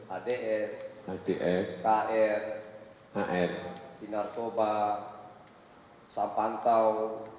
ads kr sinar toba sampantau